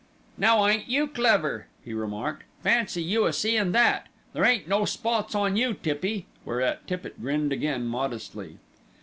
"Now ain't you clever," he remarked. "Fancy you a seein' that. There ain't no spots on you, Tippy;" whereat Tippitt grinned again modestly.